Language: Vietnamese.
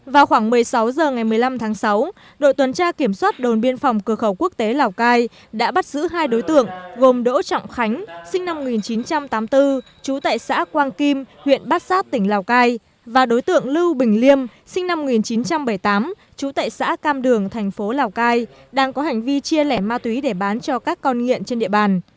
vào khoảng một mươi sáu h ngày một mươi năm tháng sáu đội tuần tra kiểm soát đồn biên phòng cửa khẩu quốc tế lào cai đã bắt giữ hai đối tượng gồm đỗ trọng khánh sinh năm một nghìn chín trăm tám mươi bốn chú tại xã quang kim huyện bát sát tỉnh lào cai và đối tượng lưu bình liêm sinh năm một nghìn chín trăm bảy mươi tám chú tại xã cam đường thành phố lào cai đang có hành vi chia lẻ ma túy để bán cho các con nghiện trên địa bàn